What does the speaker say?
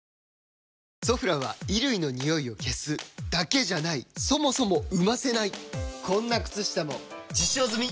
「ソフラン」は衣類のニオイを消すだけじゃないそもそも生ませないこんな靴下も実証済！